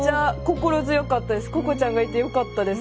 ここちゃんがいてよかったです。